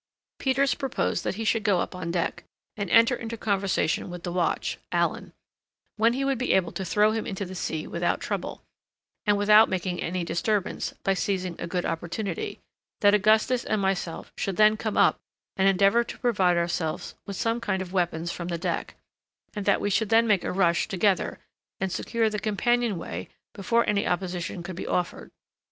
Peters proposed that he should go up on deck, and enter into conversation with the watch (Allen), when he would be able to throw him into the sea without trouble, and without making any disturbance, by seizing a good opportunity, that Augustus and myself should then come up, and endeavour to provide ourselves with some kind of weapons from the deck, and that we should then make a rush together, and secure the companion way before any opposition could be offered.